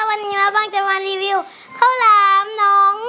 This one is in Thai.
วันนี้มะบังจะมารีวิวข้าวหลามน้อง